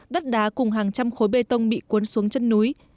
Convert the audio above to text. đất đá cùng hàng trăm khối bê tông bị cuốn xuống chân núi